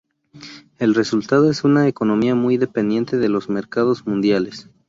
El resultado es una economía muy dependiente de los mercados mundiales.